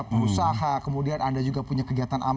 perusaha kemudian anda juga punya kegiatan yang lainnya